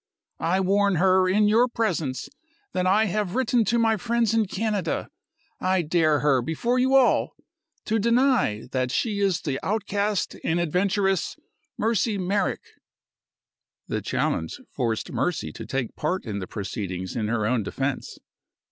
I warn her, in your presence, that I have written to my friends in Canada! I dare her before you all to deny that she is the outcast and adventuress, Mercy Merrick!" The challenge forced Mercy to take part in the proceedings in her own defense.